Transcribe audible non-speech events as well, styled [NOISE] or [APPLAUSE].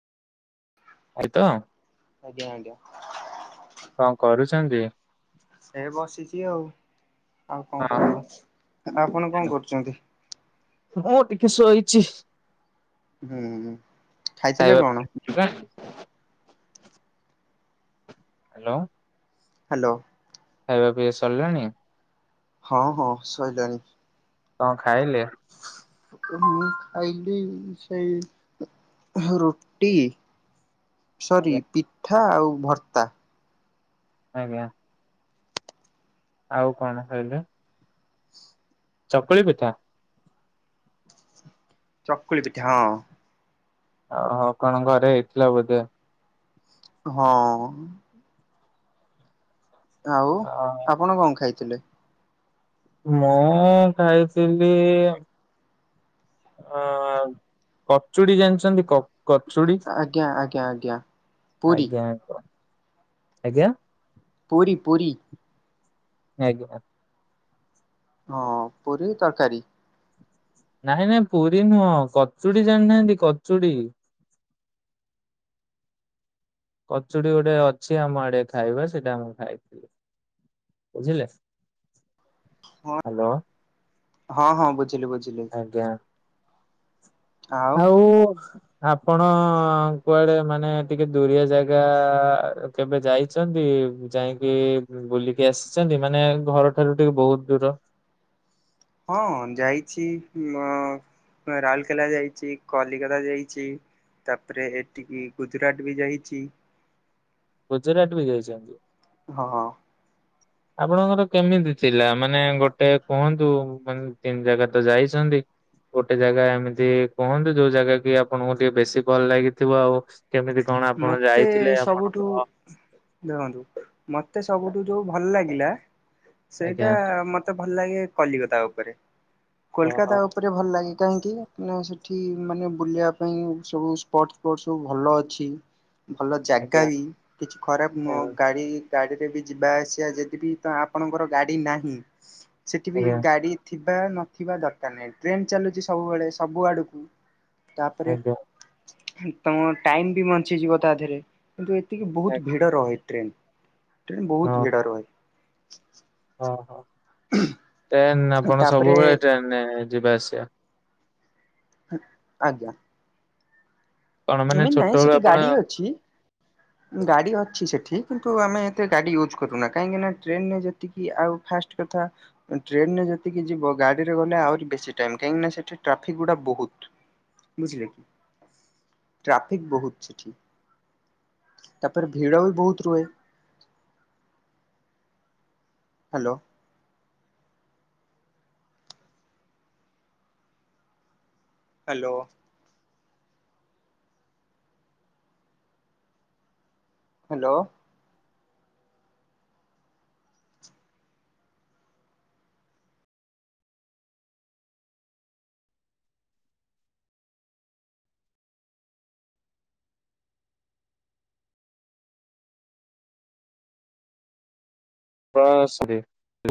ଏଇତ ଆଜ୍ଞା ଆଜ୍ଞା। କଣ କରୁଛନ୍ତି? ସେ ବସିଛି ଆଉ ଆଉ କଣ ହଁ କରିବ। ଆପଣ କଣ କରୁଛନ୍ତି? ମୁଁ ଟିକେ ଶୋଇଛି। ହୁଁ ଖାଇଥିଲେ ଖାଇବା କଣ? [UNINTELLIGIBLE] ହ୍ୟାଲୋ। ହ୍ୟାଲୋ ଖାଇବା ପିଇବା ସରିଲାଣି। ହଁ ହଁ ସଇଲାଣି। କଣ ଖାଇଲେ? ମୁଁ ଖାଇଲି ସେଇ ହୁଁ ରୁଟି ସରି ଆଜ୍ଞା ପିଠା ଆଉ ଭର୍ତ୍ତା। ଆଜ୍ଞା। ଆଉ କଣ ଖାଇଲେ? ଚକୁଳି ପିଠା। ଚକୁଳି ପିଠା ହଁ। ଓହୋ କଣ ଘରେ ହେଇଥିଲା ବୋଧେ। ହଁ। ଆଉ ଅ ଆପଣ କଣ ଖାଇଥିଲେ? ମୁଁ ଖାଇଥିଲି ଅ କଚୁଡି ଜାଣିଛନ୍ତି କ-କଚୁଡ଼ି ଆଜ୍ଞା ଆଜ୍ଞା ଆଜ୍ଞା। ପୁରୀ ଆଜ୍ଞା କ ଆଜ୍ଞା। ପୁରୀ ପୁରୀ। ଆଜ୍ଞା। ହଁ ପୁରୀ ତରକାରୀ। ନାଇଁ ନାଇଁ ପୁରୀ ନୁହଁ କଚୁଡି ଜାଣିନାହାନ୍ତି କଚୁଡି। କଚୁଡି ଗୋଟେ ଅଛି ଆମ ଆଡିଆ ଖାଇବା ସେଇଟା ମୁଁ ଖାଇଥିଲି। ବୁଝିଲେ ହ୍ୟାଲୋ। ହଁ ହଁ ବୁଝିଲି ବୁଝିଲି। ଆଜ୍ଞା। ଆଉ ଆପଣ କୁଆଡେ ମାନେ ଟିକେ ଦୁରିଆ ଜାଗା କେବେ ଯାଇ ଚନ୍ତି ଯାଇକି ବୁଲିକି ଆସିଛନ୍ତି ମାନେ ଘରଠାରୁ ଟିକେ ବହୁତ ଦୂର। ହଁ ଯାଇଛି ଉଁ ରାଉରକେଲା ଯାଇଛି କଲିକତା ଯାଇଛି। ତାପରେ ଏଠିକି ଗୁଜୁରାଟ ବି ଯାଇଛି। ଗୁଜୁରାଟ ବି ଯାଇଚନ୍ତି। ହଁ ହଁ। ଆପଣଙ୍କର କେମିତି ଥିଲା ମାନେ ଗୋଟେ କୁହନ୍ତୁ ମାନେ ତିନି ଜାଗା ତ ଯାଇଛନ୍ତି। ଗୋଟେ ଜାଗା ଏମିତି କୁହନ୍ତୁ ଯୋଉ ଜାଗା କି ଆପଣଙ୍କୁ ଟିକେ ବେଶୀ ଭଲ ଲାଗିଥିବ ଆଉ କେମିତି କଣ ଆପଣ ଯାଇଥିଲେ ଆପଣ? ନ୍ତୁ ଦେଖନ୍ତୁ ମତେ ସବୁଠୁ ଯୋଉ ଭଲ ଲାଗିଲା। ସେଇଟା ଆଜ୍ଞା ମତେ ଭଲ ଲାଗେ କଲକତା ଉପରେ ଓହୋ କୋଲକାତା ଉପରେ ଭଲ ଲାଗେ କାହିଁକି? ନା ସେଠି ମାନେ ବୁଲିବା ପାଇଁ ସବୁ ସ୍ପର୍ଟ ସ୍ପର୍ଟ ସବୁ ଭଲ ଅଛି। ଭଲ ଜାଗା ଆଜ୍ଞା ବି କିଛି ଖରାପ ନୁହଁ ଆଜ୍ଞା ଗାଡି ଗାଡ଼ିରେ ବି ଯିବା ଆସିବା ଯଦି ବିି ତ ଆପଣଙ୍କର ଗାଡ଼ି ନାହିଁ ସେଠି ବି ଆଜ୍ଞା ଗାଡ଼ି ଥିବା ନଥିବା ଦରକାର ନାହିଁ ଟ୍ରେନ୍ ଚାଲୁଛି ସବୁବେଳେ ସବୁ ଆଡ଼କୁ ତାପରେ ଆଜ୍ଞା ତମ ଟାଇମ ବି ବଞ୍ଚିଯିବ ତା ଦେହରେ। କିନ୍ତୁ ଏତିକି ବହୁତ ଆଜ୍ଞା। ଭିଡ ରହେ ଟ୍ରେନ ଟ୍ରେନ ବହୁତ ଭିଡ ରହେ। ଓ ହୋ ଟ୍ରେନ ଆପଣ ତାପରେ ସବୁବେଳେ ଟ୍ରେନ ଯିବା ଆସିବା? ଆଜ୍ଞା। କଣ ମାନେ ଏମିତି ନାଇଁ ଛୋଟବେଳୁ ସେଠି ଆପଣ ଗାଡି ଅଛି। ଗାଡ଼ି ଅଛି ସେଠି କିନ୍ତୁ ଆମେ ଏତେ ଗାଡ଼ି ୟୁଜ୍ କରୁନା କାହିଁକିନା ଟ୍ରେନ ରେ ଯେତିକି ଆଉ ଫାଷ୍ଟ କଥା ଟ୍ରେନରେ ଯେତିକି ଯିବ ଗାଡିରେ ଗଲେ ଆହୁରି ବେଶୀ ଟାଇମ କାହିଁକି ନା ସେଠି ଟ୍ରାଫିକ ଗୁଡା ବହୁତ। ବୁଝିଲେ କି? ଟ୍ରାଫିକ ବହୁତ ସେଠି ତାପରେ ଭିଡ ବି ବହୁତ ରୁହେ। ହ୍ୟାଲୋ। ହ୍ୟାଲୋ। ହ୍ୟାଲୋ। ହ ସେରେ